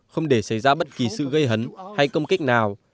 không để xảy ra bất kỳ sự gây hấn hay công kích nào